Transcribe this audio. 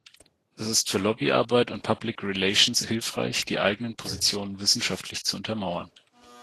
Es ist für Lobbyarbeit und Public Relations hilfreich, die eigenen Positionen wissenschaftlich zu untermauern.